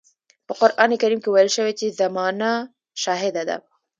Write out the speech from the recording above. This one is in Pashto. په قرآن کريم کې ويل شوي چې زمانه شاهده ده.